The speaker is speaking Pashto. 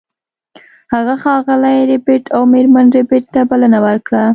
هغه ښاغلي ربیټ او میرمن ربیټ ته بلنه ورکړه